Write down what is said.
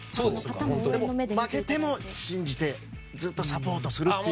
でも負けても信じてずっとサポートするという。